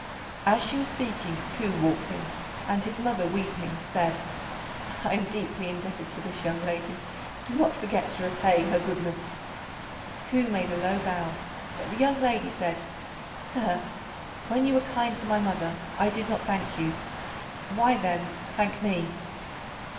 As she was speaking Ku walked in; and his mother, weeping, said, "I am deeply indebted to this young lady; do not forget to repay her goodness." Ku made a low bow, but the young lady said, "Sir, when you were kind to my mother, I did not thank you; why, then, thank me?"